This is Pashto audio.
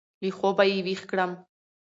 له خوابه يې وېښ کړم.